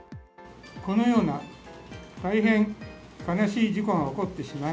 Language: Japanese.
このような大変悲しい事故が起こってしまい、